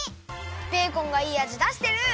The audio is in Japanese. ベーコンがいいあじだしてる！